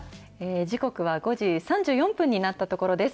時刻は５時３４分になったところです。